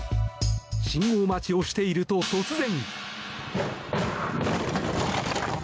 信号待ちをしていると突然。